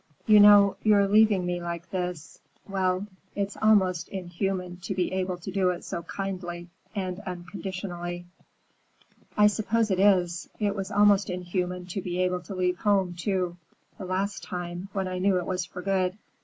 "You know, your leaving me like this—well, it's almost inhuman to be able to do it so kindly and unconditionally." "I suppose it is. It was almost inhuman to be able to leave home, too,—the last time, when I knew it was for good.